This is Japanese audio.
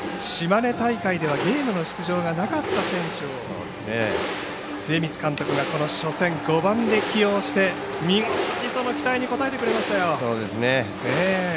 島根大会ではゲームの出場のなかった選手を末光監督がこの初戦５番で起用して見事にその期待に応えてくれました。